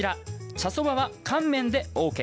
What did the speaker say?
茶そばは乾麺でＯＫ。